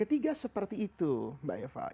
ketiga seperti itu mbak efraim